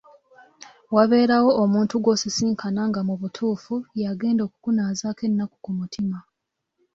Wabeerawo omuntu gw’osisinkana nga mu butuufu y’agenda okukunaazaako ennaku ku mutima.